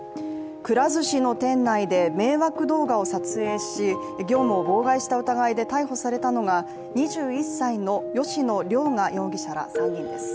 くら寿司の店内で迷惑動画を撮影し、業務を妨害した疑いで逮捕されたのが２１歳の吉野凌雅容疑者ら３人です。